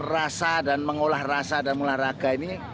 rasa dan mengolah rasa dan mengolah raga ini